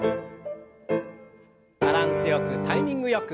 バランスよくタイミングよく。